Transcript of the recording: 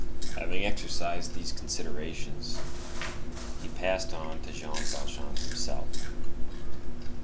Having exhausted these considerations, he passed on to Jean Valjean himself.